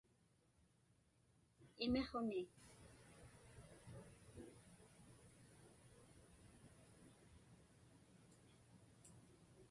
imiqhuni